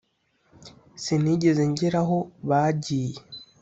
sinigeze ngera aho bagiye.